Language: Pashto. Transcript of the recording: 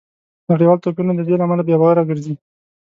نړیوال توپیرونه د دې له امله بې باوره ګرځي